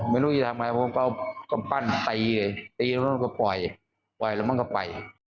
ไม่รู้จะทำอะไรมันก็ปั้นตีเลยตีแล้วมันก็ปล่อยปล่อยแล้วมันก็ไป